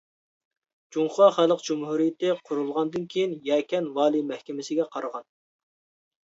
جۇڭخۇا خەلق جۇمھۇرىيىتى قۇرۇلغاندىن كېيىن يەكەن ۋالىي مەھكىمىسىگە قارىغان.